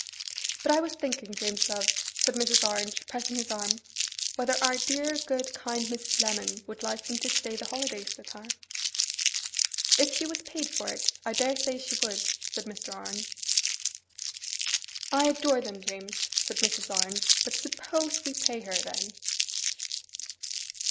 'But I was thinking, James love,' said Mrs. Orange, pressing his arm, 'whether our dear, good, kind Mrs. Lemon would like them to stay the holidays with her.' 'If she was paid for it, I daresay she would,' said Mr. Orange. 'I adore them, James,' said Mrs. Orange, 'but SUPPOSE we pay her, then!